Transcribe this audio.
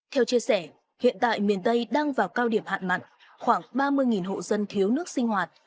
theo chia sẻ hiện tại miền tây đang vào cao điểm hạn mặn khoảng ba mươi hộ dân thiếu nước sinh hoạt